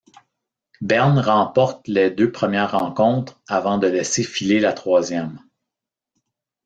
Berne remporte les deux premières rencontres avant de laisser filer la troisième.